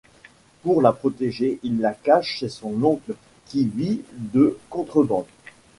Pour la protéger, il la cache chez son oncle qui vit de contrebande.